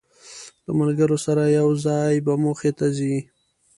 له ملګرو سره یو ځای به موخې ته ځی.